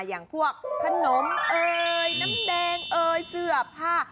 อย่างพวกขนมเอ่ยน้ำแดงเอ่ยเสื้อผ้า